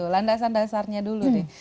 landasan dasarnya dulu nih